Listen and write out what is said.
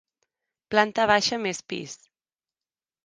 Planta baixa més pis.